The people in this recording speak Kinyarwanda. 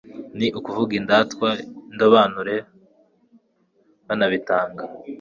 ni ukuvuga indatwa, indobanure banabitaga